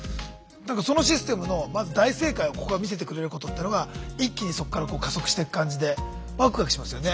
そのシステムのまず大正解をここが見せてくれることっていうのが一気にそこから加速してく感じでワクワクしますよね。